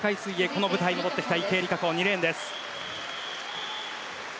この舞台に戻ってきた池江璃花子２レーンです。